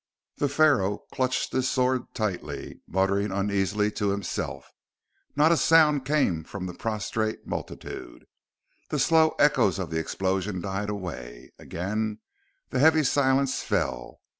The Pharaoh clutched his sword tightly, muttering uneasily to himself. Not a sound came from the prostrate multitude. The slow echoes of the explosion died away; again the heavy silence fell.